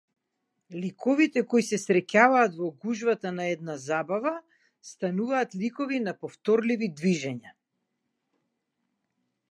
Ликовите кои се среќаваат во гужвата на една забава стануваат ликови на повторливи движења.